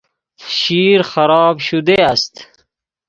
شیر خراب شده است.